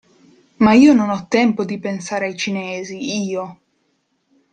Ma io non ho tempo di pensare ai cinesi, io!